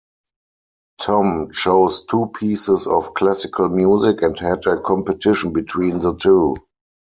Tom chose two pieces of classical music and had a competition between the two.